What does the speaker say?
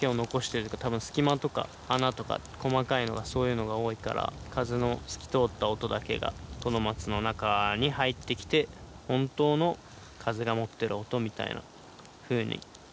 多分隙間とか穴とか細かいのがそういうのが多いから風の透き通った音だけがトドマツの中に入ってきて本当の風が持ってる音みたいなふうに感じますね。